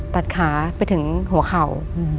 ตัดขาไปถึงหัวเข่า